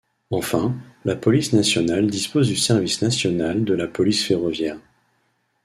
Enfin, la police nationale dispose du Service national de la police ferroviaire.